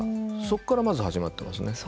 そこからまず始まってますね。